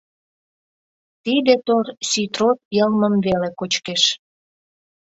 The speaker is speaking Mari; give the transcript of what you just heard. Тиде тор ситрот йылмым веле кочкеш...